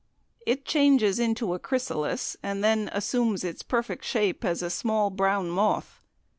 It changes into a chrysalis, and then assumes its perfect shape as a small brown moth.